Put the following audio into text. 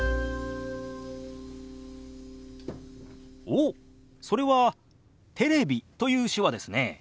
おっそれは「テレビ」という手話ですね。